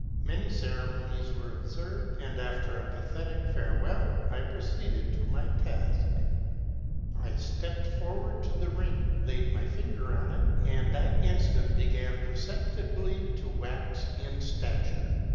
Many ceremonies were observed ; and, after a pathetic farewell, I 244 MEISTER'S TRAVELS. proceeded to my task. I stepped forward to the ring, laid my finger on it, and that instant began perceptibly to wax in stature.